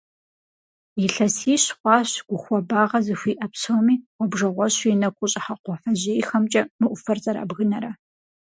Илъэсищ хъуащ гу хуабагъэ зыхуиӏэ псоми, гъуабжэгъуэщу и нэгу къыщӏыхьэ кхъуафэжьейхэмкӏэ мы ӏуфэр зэрабгынэрэ.